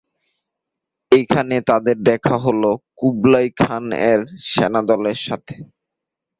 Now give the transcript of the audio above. এখানে তাদের দেখা হল কুবলাই খান এর সেনাদল এর সাথে।